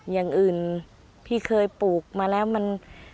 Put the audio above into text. อย่างอื่นพี่เคยปลูกมาแล้วมัน